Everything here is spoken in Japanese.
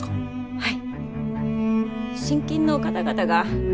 はい。